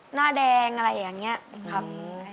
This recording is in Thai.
หน้าแดงอะไรอย่างนี้ครับ